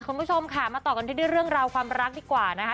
คุณผู้ชมค่ะมาต่อกันที่ด้วยเรื่องราวความรักดีกว่านะคะ